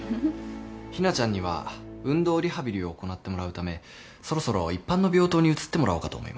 日菜ちゃんには運動リハビリを行ってもらうためそろそろ一般の病棟に移ってもらおうかと思います。